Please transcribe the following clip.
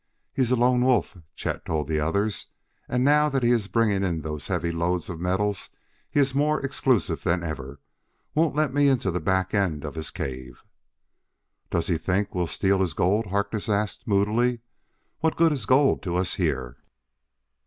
"He's a lone wolf," Chet told the others, "and now that he is bringing in those heavy loads of metals he is more exclusive than ever: won't let me into the back end of his cave." "Does he think we will steal his gold?" Harkness asked moodily. "What good is gold to us here?"